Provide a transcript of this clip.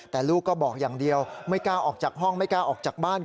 แต่ลูกก็บอกอย่างเดียวไม่กล้าออกจากห้องไม่กล้าออกจากบ้าน